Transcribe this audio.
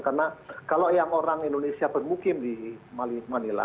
karena kalau yang orang indonesia bermukim di manila